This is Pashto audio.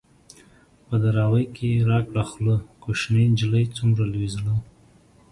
په دراوۍ کې را کړه خوله ـ کوشنۍ نجلۍ څومره لوی زړه